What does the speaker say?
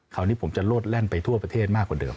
คราวนี้ผมจะโลดแล่นไปทั่วประเทศมากกว่าเดิม